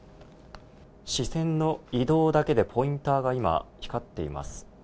視線の移動だけでポインターが今、光っています。